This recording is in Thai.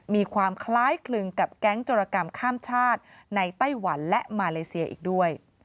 มีความคล้ายคลึงกับแก๊งจรกรรมข้ามชาติในไต้หวันและมาเลเซียอีกด้วย